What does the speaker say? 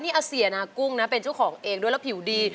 นี่อาเสียนากุ้งนะเป็นเจ้าของเองด้วยแล้วผิวดี